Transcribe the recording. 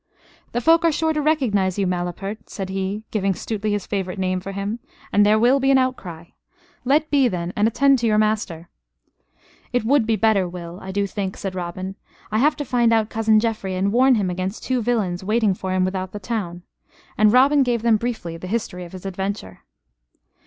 "The folk are sure to recognize you, malapert," said he, giving Stuteley his favorite name for him, "and there will be an outcry. Let be, then, and attend to your master." "It would be better, Will, I do think," said Robin. "I have to find out cousin Geoffrey, and warn him against two villains waiting for him without the town." And Robin gave them briefly the history of his adventure.